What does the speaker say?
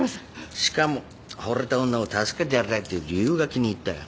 しかもほれた女を助けてやりたいっていう理由が気に入ったよ。